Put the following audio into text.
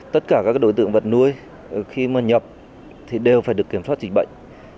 tất cả các đối tượng vật nuôi khi mà nhập thì đều phải được kiểm soát dịch bệnh